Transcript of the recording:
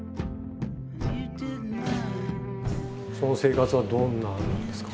その生活はどんななんですか？